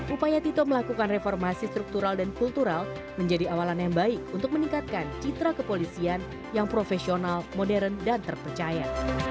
upaya tito melakukan reformasi struktural dan kultural menjadi awalan yang baik untuk meningkatkan citra kepolisian yang profesional modern dan terpercaya